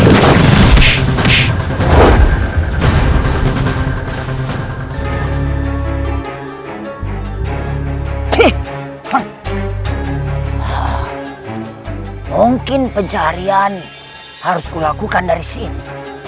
yang dilakukan dari sini